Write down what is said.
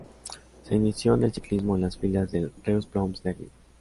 Se inició en el ciclismo en las filas del Reus Ploms-Derbi.